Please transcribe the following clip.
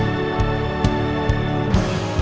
aku akan mencintai kamu